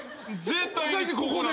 絶対にここで！